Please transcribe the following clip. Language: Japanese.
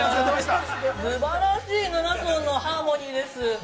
すばらしい、７層のハーモニーです。